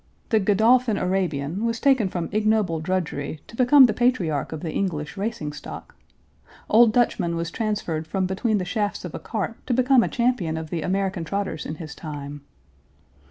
The Godolphin Arabian was taken from ignoble drudgery to become the patriarch of the English racing stock. Old Dutchman was transferred from between the shafts of a cart to become a champion of the American trotters in his time.